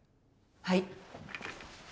はい。